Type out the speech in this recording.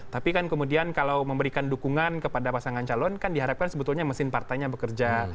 tapi kan kemudian kalau memberikan dukungan kepada pasangan calon kan diharapkan sebetulnya mesin partainya bekerja